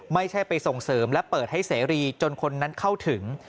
ไม่ใช่ไปส่งเสริมและเปิดให้เสรีจนคนนั้นเข้าถึง